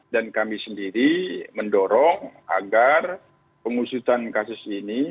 dan kami sendiri mendorong agar pengusutan kasus ini